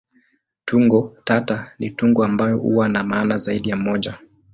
Tungo tata ni tungo ambayo huwa na maana zaidi ya moja.